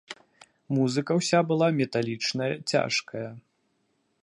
Музыка ўся была металічная, цяжкая.